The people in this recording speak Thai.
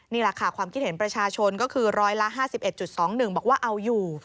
นี่แหละค่ะความคิดเห็นประชาชนก็คือร้อยละ๕๑๒๑บอกว่าเอาอยู่